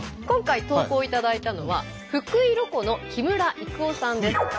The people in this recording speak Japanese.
今回投稿いただいたのは福井ロコの木村郁夫さんです。